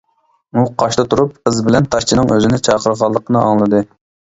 ئۇ قاشتا تۇرۇپ، قىز بىلەن تاشچىنىڭ ئۆزىنى چاقىرغانلىقىنى ئاڭلىدى.